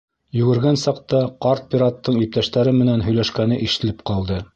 Йүгергән саҡта ҡарт пираттың иптәштәре менән һөйләшкәне ишетелеп ҡалды.